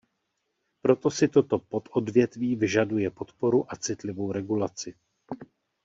Proto si toto pododvětví vyžaduje podporu a citlivou regulaci.